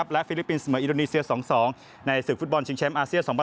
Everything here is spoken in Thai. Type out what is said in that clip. และฟิลิปปินส์เสมออินโดนีเซีย๒๒ในศึกฟุตบอลชิงแชมป์อาเซียน๒๐